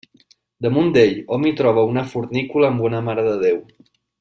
Damunt d'ell hom hi troba una fornícula amb una Mare de Déu.